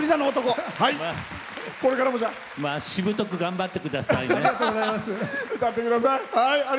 しぶとく頑張ってくださいね。